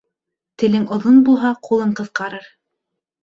Телең оҙон булһа, ҡулың ҡыҫҡарыр.